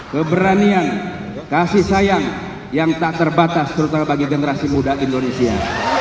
keberanian kasih sayang yang tak terbatas terutama bagi generasi muda indonesia